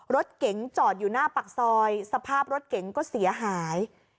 รถเก๋งจอดอยู่หน้าปากซอยสภาพรถเก๋งก็เสียหาย